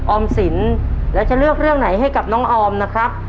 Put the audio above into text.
ออมสินแล้วจะเลือกเรื่องไหนให้กับน้องออมนะครับ